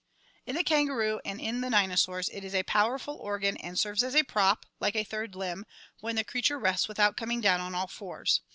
In the kangaroo and in the dinosaurs it is a powerful organ and serves as a prop, like a third limb, when the creature rests without coming down on all fours.